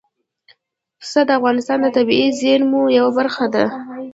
پسه د افغانستان د طبیعي زیرمو یوه برخه ده.